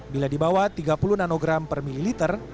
bila dibawa tiga puluh nanogram per mililiter